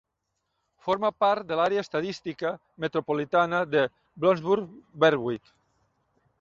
Forma part de l'Àrea Estadística Metropolitana de Bloomsburg-Berwick.